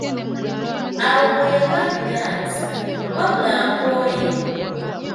Awo we yagambira nti: "wabula nkooye"